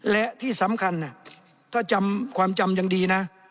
และที่สำคัญถ้าจำความจำยังดีนะ